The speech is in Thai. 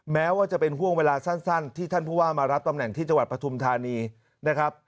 แม้ว่าจะเป็นห่วงเวลาสั้นที่ท่านผู้ว่ามารับตำแหน่งที่จังหวัดปฐุมธานีนะครับ